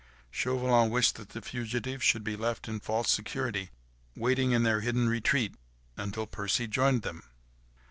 Chauvelin wished that the fugitives should be left in false security waiting in their hidden retreat until Percy joined them.